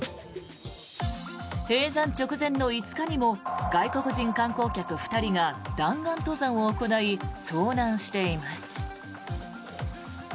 閉山直前の５日にも外国人観光客２人が弾丸登山を行い遭難しています。